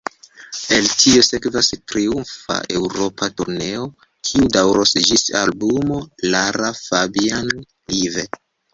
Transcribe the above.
El tio sekvas triumfa Eŭropa turneo, kiu daŭros ĝis albumo Lara Fabian Live.